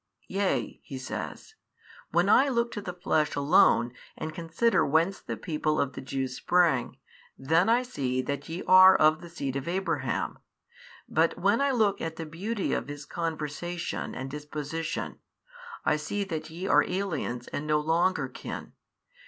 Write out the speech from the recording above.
Yea (He says) when I look to the flesh alone and consider whence the people of the Jews sprang, then I see that ye are of the seed of Abraham, but when I look at the beauty of his conversation and disposition, I see that ye are aliens and no longer kin.